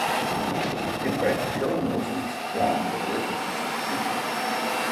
Democrat Carol Moseley Braun was elected to succeed him.